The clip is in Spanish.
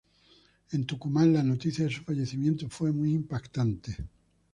En Tucumán, la noticia de su fallecimiento fue muy impactante.